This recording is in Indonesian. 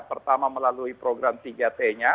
pertama melalui program tiga t nya